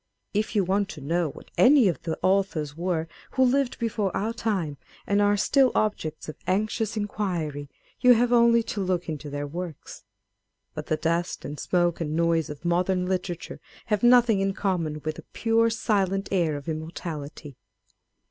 If you want to know what any of the authors were who lived before our time, and are still objects of anxious inquiry, you have only to look into their works. But the dust and smoke and noise of modern literature have nothing in common with the pure, silent air of immortality.